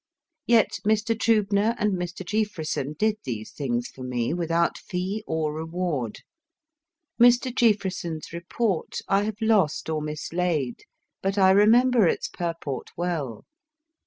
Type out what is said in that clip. Yet Mr. Triibner and Mr. Jeaffreson did these things for me without fee or re ward. Mr. Jeaffreson s report I have lost or mislaid, but I remember its purport well.